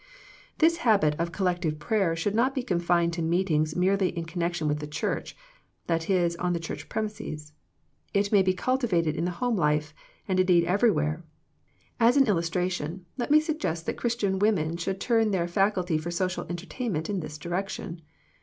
This habit of collective prayer should not be confined to meetings merely in connection with the Church, that is, on the Church premises. It may be cultivated in the home life, and indeed everywhere. As an illustration, let me suggest that Christian women should turn their faculty for social entertainment in this direction.